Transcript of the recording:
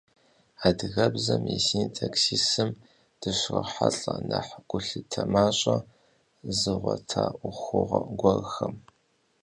Адыгэбзэм и синтаксисым дыщрохьэлӏэ нэхъ гулъытэ мащӏэ зыгъуэта ӏуэхугъуэ гуэрхэм.